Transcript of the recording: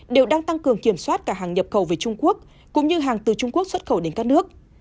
đều đang tăng cường kiểm soát cả hàng nhập khẩu về trung quốc cũng như hàng từ trung quốc xuất khẩu đến các nước